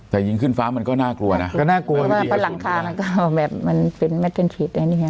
แต่ยิงขึ้นฟ้ามันก็น่ากลัวนะก็น่ากลัวมากเพราะหลังคามันก็แบบมันเป็นแมทเป็นทริดอันนี้ไง